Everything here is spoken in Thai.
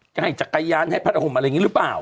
จะให้จักรยานให้พัดห่มอะไรอย่างนี้หรือเปล่า